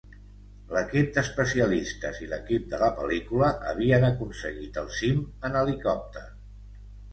L'equip d'especialistes i l'equip de la pel·lícula havien aconseguit el cim en helicòpter.